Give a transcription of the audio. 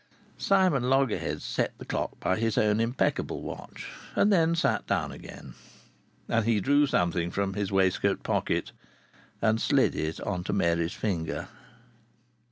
Simon Loggerheads set the clock by his own impeccable watch, and then sat down again. And he drew something from his waistcoat pocket and slid it on to Mary's finger.